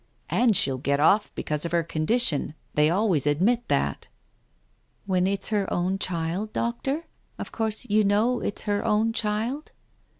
"And she'll get off, because of her condition. They always admit that." "When it's her own child, Doctor? Of course you know it's her own child